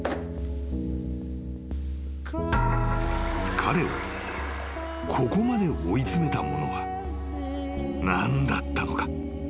［彼をここまで追い詰めたものは何だったのか］